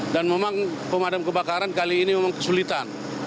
dan memang pemadam kebakaran kali ini memang kesulitan